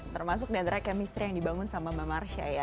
termasuk dendera kemisteri yang dibangun sama mbak marsha ya